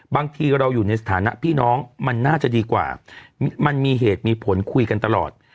บางทีเราอยู่ในสถานะพี่น้องมันน่าจะดีกว่ามันมีเหตุมีผลคุยกันตลอด